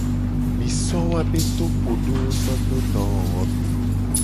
Mi so woabe topodowo so do dowowome.